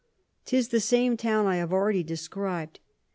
'Tis the same Town I have already describ'd.